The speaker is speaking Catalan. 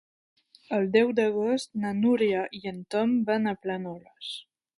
El deu d'agost na Núria i en Tom van a Planoles.